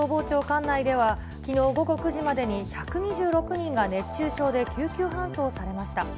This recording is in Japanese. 管内では、きのう午後９時までに１２６人が熱中症で救急搬送されました。